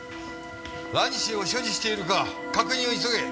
ラニシンを所持しているか確認を急げ！